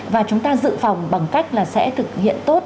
và chúng ta dự phòng bằng cách là sẽ thực hiện tốt